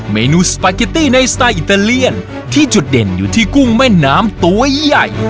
เมนูสปาเกตตี้ในสไตล์อิตาเลียนที่จุดเด่นอยู่ที่กุ้งแม่น้ำตัวใหญ่